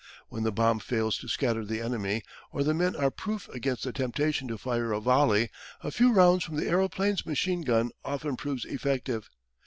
When the bomb fails to scatter the enemy, or the men are proof against the temptation to fire a volley, a few rounds from the aeroplane's machine gun often proves effective.